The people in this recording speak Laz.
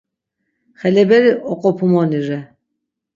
Xeleberi oqopumoni re.